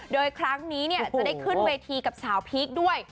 โดยครั้งนี้จะได้ขึ้นเวทีกับสาวพีคด้วย